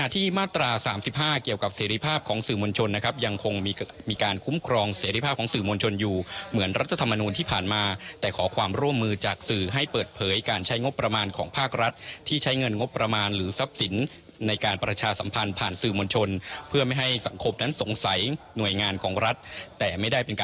ที่มาตรา๓๕เกี่ยวกับเสรีภาพของสื่อมวลชนนะครับยังคงมีการคุ้มครองเสรีภาพของสื่อมวลชนอยู่เหมือนรัฐธรรมนูลที่ผ่านมาแต่ขอความร่วมมือจากสื่อให้เปิดเผยการใช้งบประมาณของภาครัฐที่ใช้เงินงบประมาณหรือทรัพย์สินในการประชาสัมพันธ์ผ่านสื่อมวลชนเพื่อไม่ให้สังคมนั้นสงสัยหน่วยงานของรัฐแต่ไม่ได้เป็นก